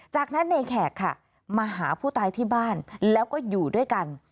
จากนั้นในแขกค่ะมาหาผู้ตายที่บ้านแล้วก็อยู่ด้วยกัน